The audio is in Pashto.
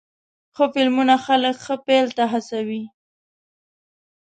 ښه فلمونه خلک ښه پیل ته هڅوې.